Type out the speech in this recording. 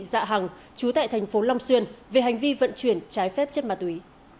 dạ hẳng trú tại tp long xuyên về hành vi vận chuyển trái phép chất ma túy